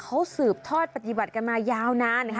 เขาสืบทอดปฏิบัติกันมายาวนานนะคะ